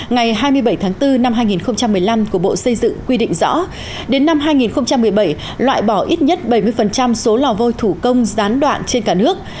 ngày hai mươi bảy tháng bốn năm hai nghìn một mươi năm của bộ xây dựng quy định rõ đến năm hai nghìn một mươi bảy loại bỏ ít nhất bảy mươi số lò vôi thủ công gián đoạn trên cả nước